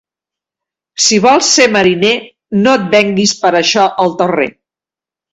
Si vols ser mariner, no et venguis per això el terrer.